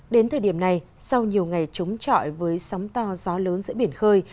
đến thời điểm này sau nhiều ngày trống trọi với sóng to gió lớn giữa biển khơi